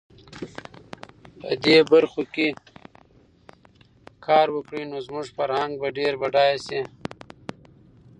په دې برخو کې کار وکړي، نو زموږ فرهنګ به ډېر بډایه شي.